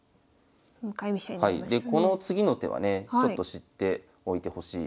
でこの次の手はね知っておいてほしい。